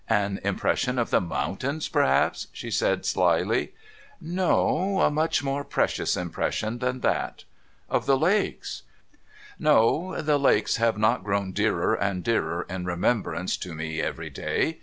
' An impression of the mountains, perhaps ?' she said slyly. * No ; a much more precious impression than that.' * Of the lakes ?'' No. The lakes have not grown dearer and dearer In re membrance to me every day.